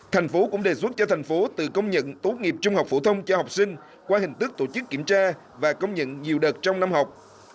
thành phố cũng đề xuất cho thành phố tự công nhận tốt nghiệp trung học phổ thông cho học sinh qua hình thức tổ chức kiểm tra và công nhận nhiều đợt trong năm học